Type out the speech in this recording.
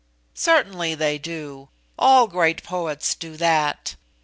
"Certainly they do: all great poets do that.